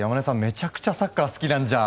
めちゃくちゃサッカー好きなんじゃ。